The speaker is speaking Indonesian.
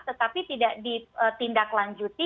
tetapi tidak ditindaklanjuti